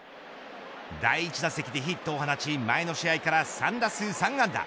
第１打席でヒットを放ち前の試合から３打数３安打。